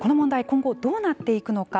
今後、どうなっていくのか。